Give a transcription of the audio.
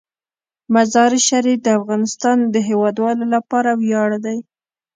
مزارشریف د افغانستان د هیوادوالو لپاره ویاړ دی.